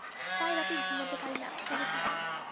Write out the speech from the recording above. প্রায় রাতেই ঘুমুতে পারি না, জেগে থাকি।